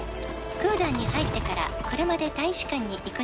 「クーダンに入ってから車で大使館に行くのは」